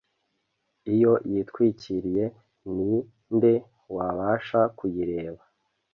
iyo yitwikiriye ni nde wabasha kuyireba’